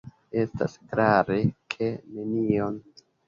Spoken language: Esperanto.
Estas klare, ke nenion!